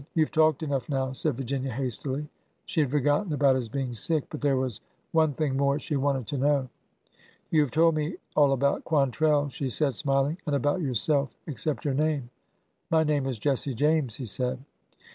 " You Ve talked enough now,'' said Virginia, hastily. She had forgotten about his being sick. But there was one thing more she wanted to know. You have told me all about Quantrell," she said, smil ing, and about yourself except your name." My name is Jesse James," he said.